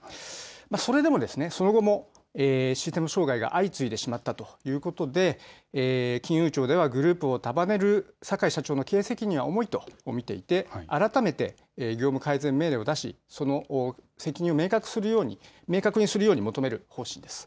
それでもその後もシステム障害が相次いでしまったということで金融庁ではグループを束ねる坂井社長の経営責任は重いと見ていて改めて業務改善命令を出し、その責任を明確にするように求める方針です。